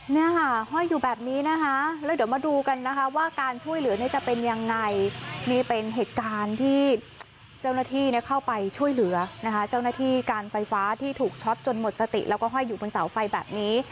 เนี่ยค่ะห้อยอยู่แบบนี้นะคะแล้วเดี๋ยวมาดูกันนะคะว่าการช่วยเหลือเนี่ยจะเป็นยังไงนี่เป็นเหตุการณ์ที่เจ้าหน้าที่เนี่ยเข้าไปช่วยเหลือนะคะเจ้าหน้าที่การไฟฟ้าที่ถูกช็อตจนหมดสติแล้วก็ห้อยอยู่บนเสาไฟแบบนี้